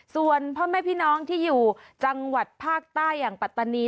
ส่วนพ่อแม่พี่น้องที่อยู่จังหวัดภาคใต้อย่างปัตตานี